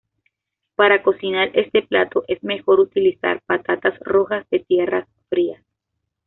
Para cocinar este plato es mejor utilizar patatas rojas de tierras frías.